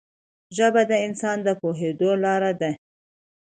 ژبه د انسان د پوهېدو لاره ده